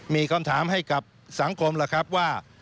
มีคำถามให้กับสังคมล่ะครับว่า